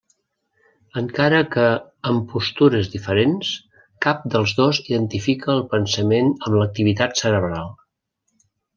Encara que amb postures diferents, cap dels dos identifica el pensament amb l'activitat cerebral.